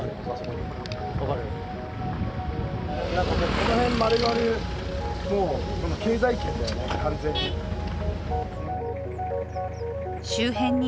この辺、まるまるもう経済圏だよね、完全に。